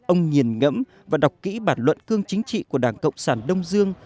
ông nghiền ngẫm và đọc kỹ bản luận cương chính trị của đảng cộng sản đông dương